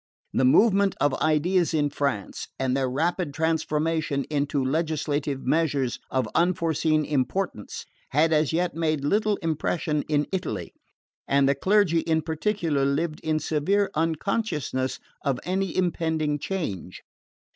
The movement of ideas in France, and their rapid transformation into legislative measures of unforeseen importance, had as yet made little impression in Italy; and the clergy in particular lived in serene unconsciousness of any impending change.